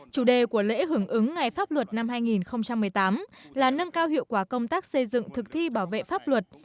chủ đề của lễ hưởng ứng ngày pháp luật năm hai nghìn một mươi tám là nâng cao hiệu quả công tác xây dựng thực thi bảo vệ pháp luật